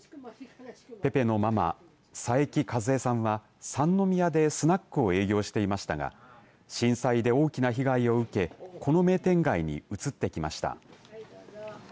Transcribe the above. ペペのママ、佐伯一恵さんは三宮でスナックを営業していましたが震災で大きな被害を受けこの名店街に移ってきました。